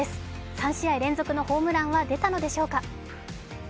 ３試合連続のホームランは出たのでしょうか。